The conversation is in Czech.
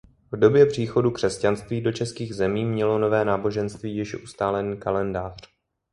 V době příchodu křesťanství do českých zemích mělo nové náboženství již ustálený kalendář.